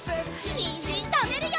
にんじんたべるよ！